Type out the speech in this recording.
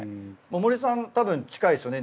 森さん多分近いですよね？